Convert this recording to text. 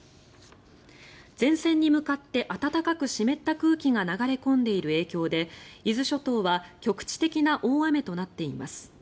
前線に向かって暖かく湿った空気が流れ込んでいる影響で伊豆諸島は局地的な大雨となっています。